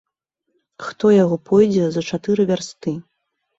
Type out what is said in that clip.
Хто яго пойдзе за чатыры вярсты.